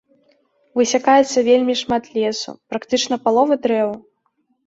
Высякаецца вельмі шмат лесу, практычна палова дрэў.